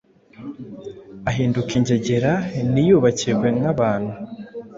Ahinduka ingegera Ntiyubakirwe nk'abantu,